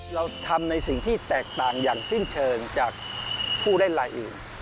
เราทำในสิ่งที่แตกต่างอย่างสิ้นเชิงจากผู้เล่นรายอื่น